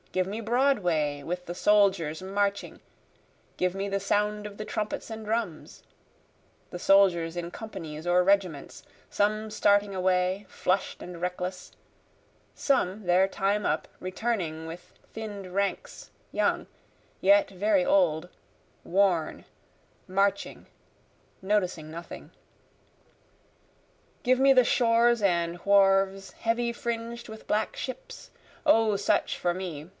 Give me Broadway, with the soldiers marching give me the sound of the trumpets and drums! (The soldiers in companies or regiments some starting away, flush'd and reckless, Some, their time up, returning with thinn'd ranks, young, yet very old, worn, marching, noticing nothing;) Give me the shores and wharves heavy fringed with black ships! O such for me!